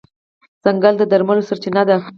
ځنګل د درملو سرچینه ده.